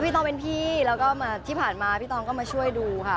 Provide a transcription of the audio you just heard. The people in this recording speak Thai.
ต้องเป็นพี่แล้วก็ที่ผ่านมาพี่ตองก็มาช่วยดูค่ะ